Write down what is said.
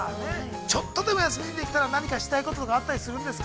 ◆ちょっとでも休みができたら何かしたいこととかあったりするんですか。